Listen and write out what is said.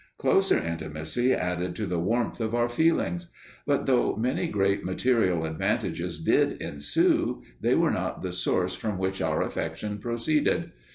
Closer intimacy added to the warmth of our feelings. But though many great material advantages did ensue, they were not the source from which our affection proceeded.